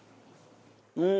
うん！